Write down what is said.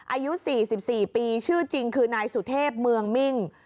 อายุสี่สิบสี่ปีชื่อจริงคือนายสุเทพเมืองมิ่ง